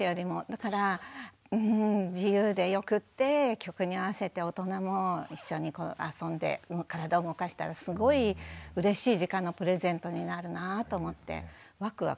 だからうん自由でよくって曲に合わせて大人も一緒に遊んで体動かしたらすごいうれしい時間のプレゼントになるなと思ってワクワクしますね。